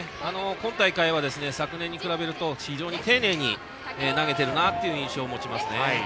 今大会は、昨年に比べると非常に丁寧に投げているなという印象を持ちますね。